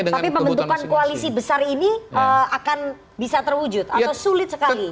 tapi pembentukan koalisi besar ini akan bisa terwujud atau sulit sekali